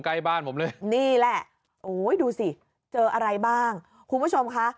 ใกล้บ้านผมเลยนี่แหละโอ้ยดูสิเจออะไรบ้างคุณผู้ชมคะ